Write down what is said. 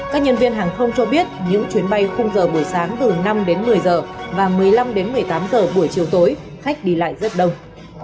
các nhân viên hàng không cho biết những chuyến bay khung giờ buổi sáng từ năm đến một mươi giờ và một mươi năm đến một mươi tám giờ buổi chiều tối khách đi lại rất đông